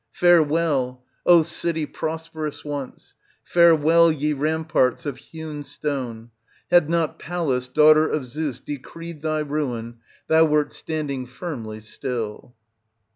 Farewell, O city prosperous once ! fare well, ye ramparts of hewn stone ! had not Pallas, daughter of Zeus, decreed thy ruin, thou wert standing firmly still.